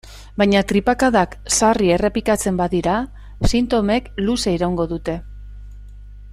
Baina tripakadak sarri errepikatzen badira, sintomek luze iraungo dute.